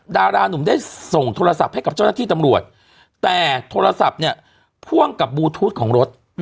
ดารานุ่มได้ส่งโทรศัพท์ให้กับเจ้าหน้าที่ตำรวจแต่โทรศัพท์เนี่ยพ่วงกับบลูทูธของรถ